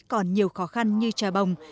còn nhiều khó khăn như trà bồng